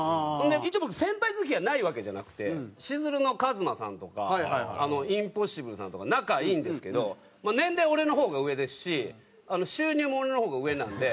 一応僕先輩付き合いないわけじゃなくてしずるのＫＡＭＡさんとかインポッシブルさんとか仲いいんですけど年齢俺の方が上ですし収入も俺の方が上なんで。